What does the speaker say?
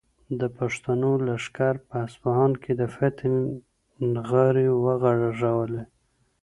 د پښتنو لښکر په اصفهان کې د فتحې نغارې وغږولې.